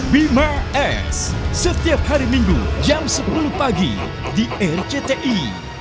bima s setiap hari minggu jam sepuluh pagi di rcti